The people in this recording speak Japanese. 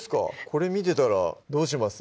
これ見てたらどうします？